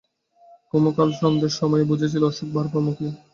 কুমু কাল সন্ধের সময়েই বুঝেছিল অসুখ বাড়বার মুখে।